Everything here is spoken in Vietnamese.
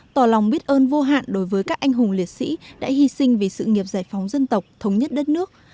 tỏ lòng biết ơn vô hạn đối với các anh hùng liệt sĩ đã hy sinh vì sự nghiệp giải phóng dân tộc thống nhất đất nước